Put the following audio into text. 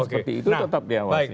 seperti itu tetap diawasin